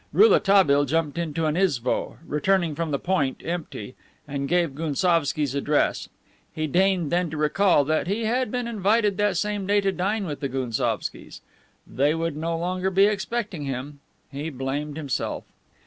Rouletabille jumped into an isvo, returning from the Point empty, and gave Gounsovski's address. He deigned then to recall that he had been invited that same day to dine with the Gounsovskis. They would no longer be expecting him. He blamed himself.